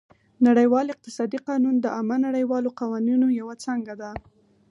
نړیوال اقتصادي قانون د عامه نړیوالو قوانینو یوه څانګه ده